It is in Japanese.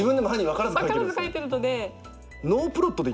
分からず書いてるので。